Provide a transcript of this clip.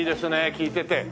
利いてて。